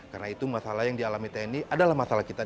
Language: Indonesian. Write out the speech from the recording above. karena itu masalah yang dialami tni adalah masalah kita